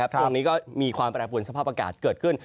ตรงนี้ก็มีความแปรปวนสภาพอากาศเกิดขึ้น